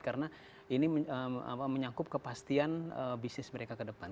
karena ini menyangkut kepastian bisnis mereka ke depan